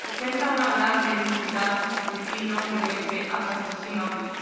Presenta una gran densidad de pino silvestre hasta su cima.